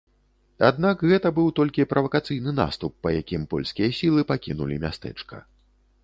Аднак гэта быў толькі правакацыйны наступ, па якім польскія сілы пакінулі мястэчка.